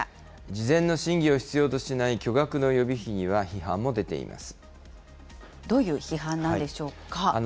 事前の審議を必要としない巨額の予備費には批判も出ています。